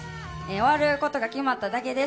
終わることが決まっただけです。